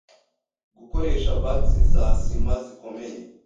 Gukoresha bags za sima zikomeye